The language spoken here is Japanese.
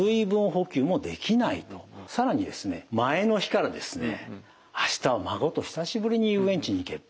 更にですね前の日からですね明日は孫と久しぶりに遊園地に行ける。